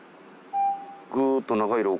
ぐっと。